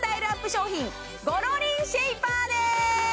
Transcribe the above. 商品ごろりんシェイパーです！